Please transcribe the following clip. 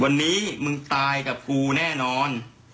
วันนี้มึงตายกับกูแน่นอน